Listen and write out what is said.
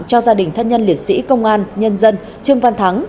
cho gia đình thân nhân liệt sĩ công an nhân dân trương văn thắng